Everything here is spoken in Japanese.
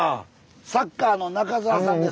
サッカーの中澤さんです。